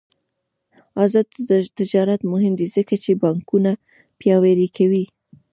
آزاد تجارت مهم دی ځکه چې بانکونه پیاوړي کوي.